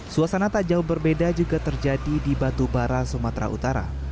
suasana tak jauh berbeda juga terjadi di batubara sumatera utara